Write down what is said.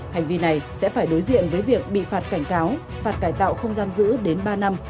hành vi này sẽ phải đối diện với việc bị phạt cảnh cáo phạt cải tạo không giam giữ đến ba năm